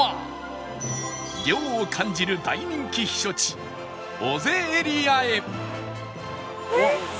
涼を感じる大人気避暑地尾瀬エリアへ